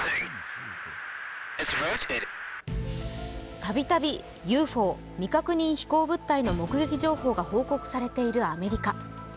たびたびＵＦＯ＝未確認飛行物体の目撃情報が報告されているアメリカ。